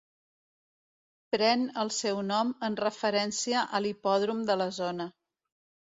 Pren el seu nom en referència a l'hipòdrom de la zona.